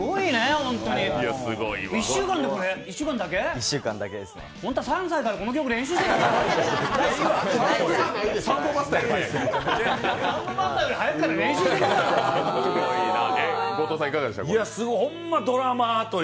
本当は３歳からこの曲練習してたんじゃない？